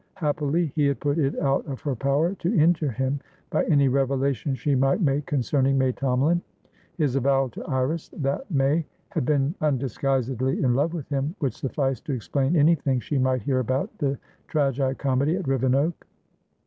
Happily, he had put it out of her power to injure him by any revelations she might make concerning May Tomalin; his avowal to Iris that May had been undisguisedly in love with him would suffice to explain anything she might hear about the tragi comedy at Rivenoak.